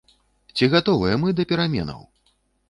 Ці гатовыя мы да пераменаў?